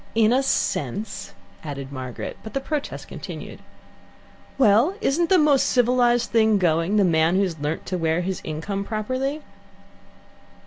"In a sense," added Margaret, but the protest continued. "Well, isn't the most civilized thing going, the man who has learnt to wear his income properly?"